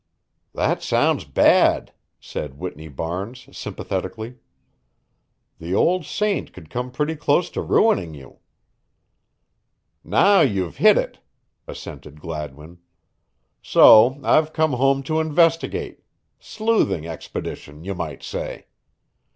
"That sounds bad," said Whitney Barnes, sympathetically. "The old saint could come pretty close to ruining you." "Now you've hit it," assented Gladwin. "So I've come home to investigate sleuthing expedition, you might say.